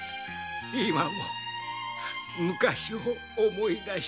今も昔を思い出していました。